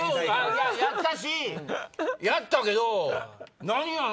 やったしやったけど。